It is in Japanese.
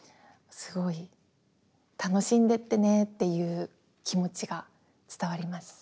すごい「楽しんでってね」っていう気持ちが伝わります。